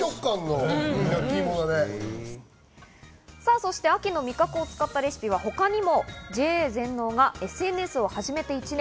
そして秋の味覚を使ったレシピは他にもＪＡ全農がＳＮＳを始めて１年。